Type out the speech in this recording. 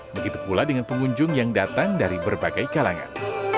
begitu pula dengan pengunjung yang datang dari berbagai kalangan